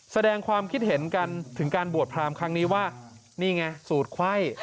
แสดงความคิดเห็นกันถึงการบวชพรามครั้งนี้ว่านี่ไงสูตรไข้